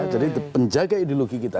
jadi penjaga ideologi kita